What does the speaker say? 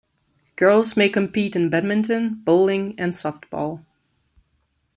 Girls may compete in badminton, bowling, and softball.